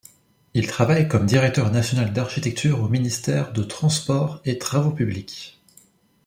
Il travaille comme Directeur national d'architecture au ministère de Transport et Travaux publics.